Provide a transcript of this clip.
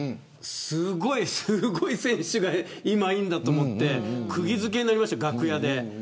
すっごい選手が今いるんだと思ってくぎ付けになりました、楽屋で。